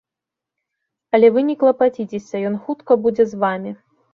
Але вы не клапаціцеся, ён хутка будзе з вамі.